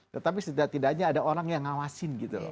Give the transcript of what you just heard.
tetapi setidaknya ada orang yang ngawasin gitu loh